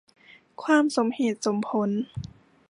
ความสมเหตุสมผล